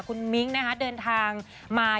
คุณมิ้งนะคะเดินทางมา